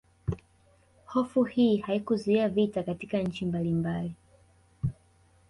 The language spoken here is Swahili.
Hofu hii haikuzuia vita katika nchi mbalimbali